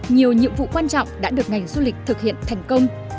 nhiều nhiệm vụ quan trọng đã được ngành du lịch thực hiện thành công